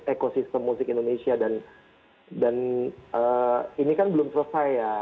ekosistem musik indonesia dan ini kan belum selesai ya